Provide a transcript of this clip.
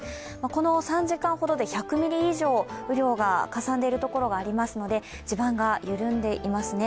この３時間ほどで１００ミリ以上雨量がかさんでいるところがありますので地盤が緩んでいますね。